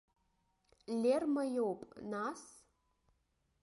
Лерма иоуп, нас?